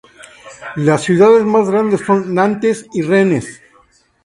Las ciudades más grandes son Nantes y Rennes.